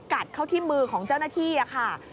กัดเข้าที่มือของเจ้าหน้าที่ค่ะ